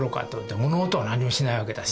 物音が何もしないわけだし。